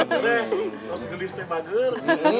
nanti gue harus gelis teh bager